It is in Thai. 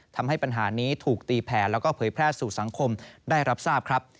ทำให้ปัญหานี้ถูกตีแผนแล้วก็เผยแพร่สู่สังคมได้รับทราบครับ